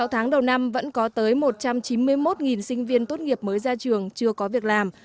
sáu tháng đầu năm vẫn có tới một trăm chín mươi một sinh viên tốt nghiệp mới ra trường chưa có việc làm